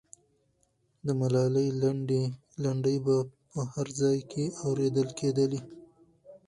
د ملالۍ لنډۍ به په هر ځای کې اورېدلې کېدلې.